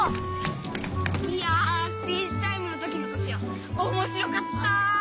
いやスピーチタイムの時のトシヤおもしろかった！